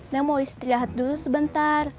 saya mau istirahat dulu sebentar